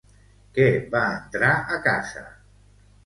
Què va entrar a casa?